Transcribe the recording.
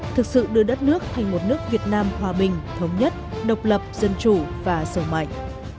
thực sự đưa đất nước thành một nước việt nam hòa bình thống nhất độc lập dân chủ và sầu mạnh